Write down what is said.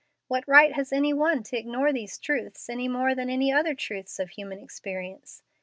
What right has any one to ignore these truths any more than any other truths of human experience?